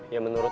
ya menurut lo